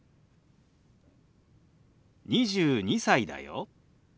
「２２歳だよ」。